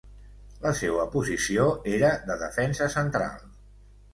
La seua posició era de defensa central.